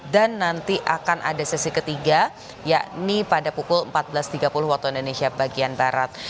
dan nanti akan ada sesi ketiga yakni pada pukul empat belas tiga puluh waktu indonesia bagian barat